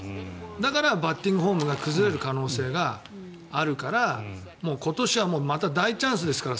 だからバッティングフォームが崩れる可能性があるから今年はまた大チャンスですから。